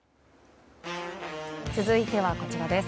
続いてはこちらです。